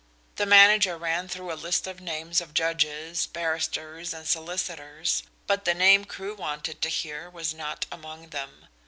The manager ran through a list of names of judges, barristers and solicitors, but the name Crewe wanted to hear was not among them.